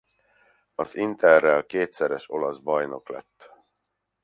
Az Interrel kétszeres olasz bajnok lett.